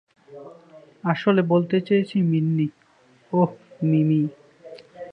আসলে বলতে চেয়েছি মিন্নি, অহ, মিমি।